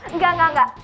enggak enggak enggak